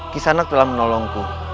kisanak telah menolongku